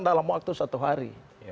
dalam waktu satu hari